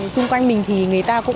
xung quanh mình thì người ta cũng